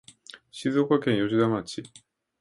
静岡県吉田町